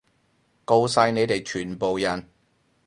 吿晒你哋全部人！